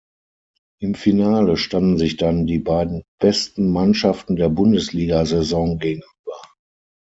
Im Finale standen sich dann die beiden besten Mannschaften der Bundesliga-Saison gegenüber.